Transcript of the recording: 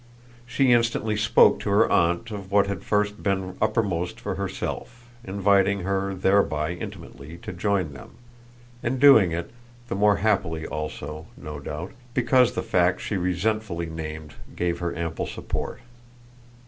She instantly spoke to her aunt of what had first been uppermost for herself, inviting her thereby intimately to join them, and doing it the more happily also, no doubt, because the fact she resentfully named gave her ample support.